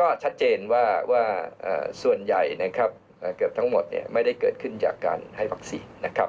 ก็ชัดเจนว่าส่วนใหญ่นะครับเกือบทั้งหมดไม่ได้เกิดขึ้นจากการให้วัคซีนนะครับ